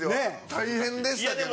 大変でしたけど。